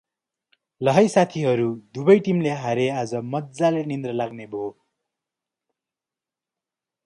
ल है साथी हरु दुबै टिमले हारे आज मजाले निद्रा लाग्ने भो ।